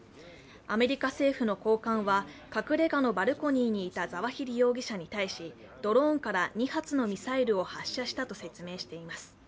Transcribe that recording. アメリカ政府の高官は隠れ家のバルコニーにいたザワヒリ容疑者に対しドローンから２発のミサイルを発射したと説明しています。